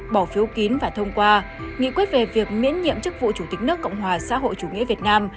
bỏ phiếu kín và thông qua nghị quyết về việc miễn nhiệm chức vụ chủ tịch nước cộng hòa xã hội chủ nghĩa việt nam